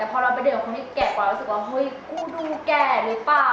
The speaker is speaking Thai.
พอเราไปเดินกับคนที่แก่กว่าเรารู้สึกว่าเฮ้ยกูดูแก่หรือเปล่า